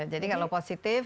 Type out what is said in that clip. jadi kalau positif